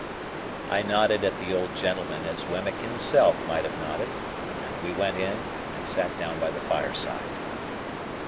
I nodded at the old gentleman as Wemmick himself might have nodded, and we went in and sat down by the fireside.